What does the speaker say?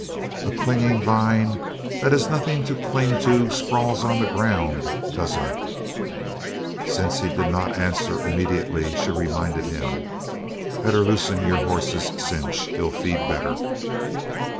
"A clinging vine that has nothing to cling to sprawls on the ground, doesn't it?" Since he did not answer immediately, she reminded him: "Better loosen your horse's cinch; he'll feed better."